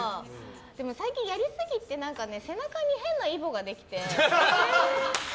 最近やりすぎて背中に変なイボができて。